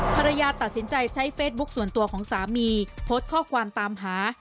โพสต์ข้อความตามหา